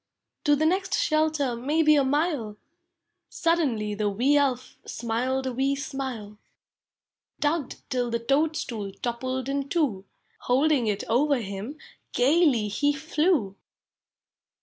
To the next shelter — Mavbe a mile! Sudden the wee Elf Smiled a wee smile, Tugged till the toadstool Toppled in two. Holding it over him, (layly he flew.